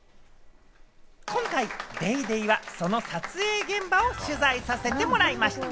今回『ＤａｙＤａｙ．』はその撮影現場を取材させてもらいました。